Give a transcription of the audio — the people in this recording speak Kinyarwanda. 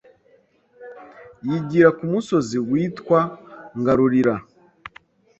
yigira ku musozi witwa Ngarulira.